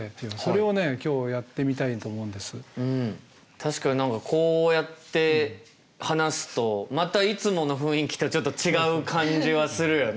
確かに何かこうやって話すとまたいつもの雰囲気とちょっと違う感じはするよね。